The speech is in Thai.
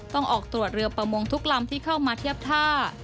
ออกตรวจเรือประมงทุกลำที่เข้ามาเทียบท่า